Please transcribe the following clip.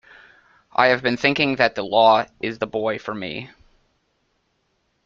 I have been thinking that the law is the boy for me.